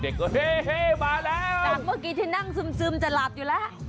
เฮ่มาแล้วจากเมื่อกี้ที่นั่งซึมจะหลับอยู่แล้ว